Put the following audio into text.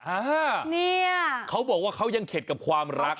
อ่าเนี่ยเขาบอกว่าเขายังเข็ดกับความรัก